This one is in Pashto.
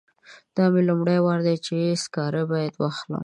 دا مې لومړی وار دی چې سکاره باید واخلم.